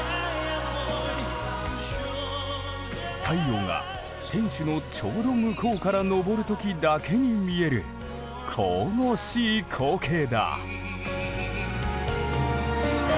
太陽が天守のちょうど向こうから昇る時だけに見える神々しい光景だ。